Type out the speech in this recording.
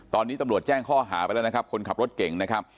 ตอนนี้ตำรวจแจ้งข้อหาไปแล้วนะครับคนขับรถเก่งนะครับ